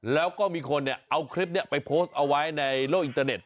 แล้วก็มีคนเอาคลิปนี้ไปโพสต์เอาไว้ในโลกอินเตอร์เน็ต